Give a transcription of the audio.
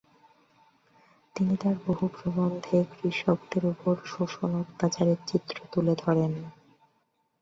তিনি তার বহু প্রবন্ধে কৃষকদের উপর শোষণ অত্যাচারের চিত্র তুলে ধরেন।